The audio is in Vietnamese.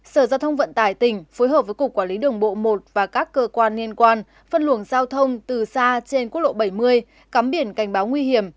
sở giao thông vận tải tỉnh phối hợp với cục quản lý đường bộ một và các cơ quan liên quan phân luồng giao thông từ xa trên quốc lộ bảy mươi cắm biển cảnh báo nguy hiểm